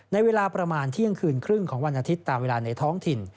ในเวลาประมาณเที่ยงคืนครึ่งของวันอาทิตย์ตามเวลาในท้องถิ่น